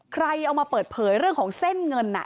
ใครเอามาเปิดเผยเรื่องของเส้นเงิน